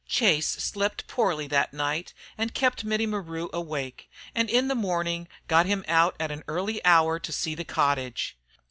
Chase slept poorly that night, and kept Mittie Maru awake, and in the morning got him out at an early hour to see the cottage.